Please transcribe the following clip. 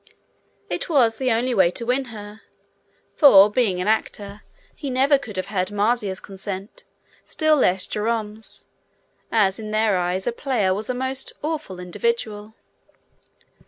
It was the only way to win her, for, being an actor, he never could have had Marzia's consent, still less Jerome's, as in their eyes a player was a most awful individual.